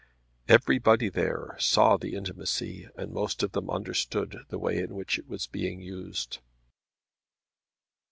Everybody there saw the intimacy and most of them understood the way in which it was being used.